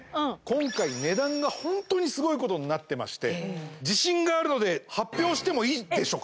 今回値段がホントにすごいことになってまして自信があるので発表してもいいでしょうか